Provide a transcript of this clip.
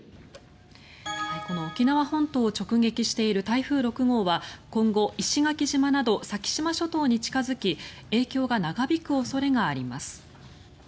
この沖縄本島を直撃している台風６号は今後、石垣島など先島諸島に近付き影響が長引く恐れがあります。